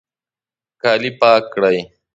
کالي پاک کړئ